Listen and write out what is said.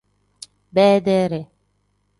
Beedire.